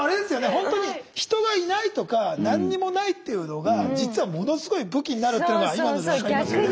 ほんとに人がいないとか何にもないというのが実はものすごい武器になるっていうのが今ので分かりますよね。